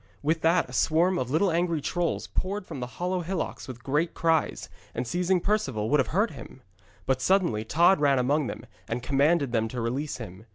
With that a swarm of little angry trolls poured from the hollow hillocks with great cries, and seizing Perceval would have hurt him. But suddenly Tod ran among them, and commanded them to release him.